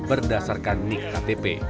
berdasarkan nik ktp